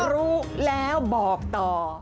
รู้แล้วบอกต่อ